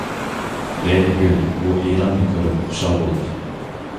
لەيلىگۈل بۇ ئېلاننى كۆرۈپ خۇشال بولدى.